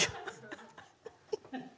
ハハハハ。